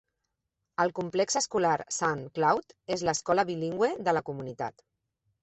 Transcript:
El complex escolar Saint Claude és l'escola bilingüe de la comunitat.